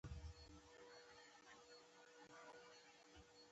که په ټوپک ډیر غوړي وي نو کنګل کیږي